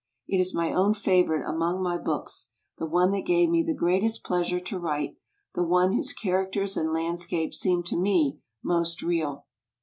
It is my own favourite among my books, the one that gave me the greatest pleasure to write, the one whose characters and landscape seem to me most real.